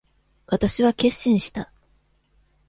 私は決心した。